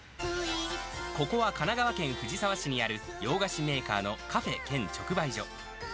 ここは神奈川県藤沢市にある、洋菓子メーカーのカフェ兼直売所。